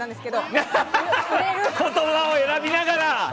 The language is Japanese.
言葉を選びながら！